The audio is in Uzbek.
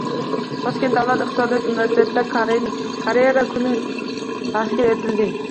Toshkent davlat iqtisodiyot universitetida “Karera kuni” tashkil etilding